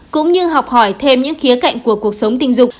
cũng như học hỏi thêm những khía cạnh của cuộc sống tình dục